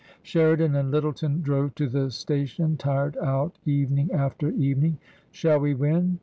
Sheridan and Lyttleton drove to the station tired out evening after evening. " Shall we win